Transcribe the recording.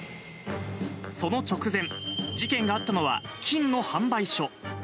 その直前、事件があったのは金の販売所。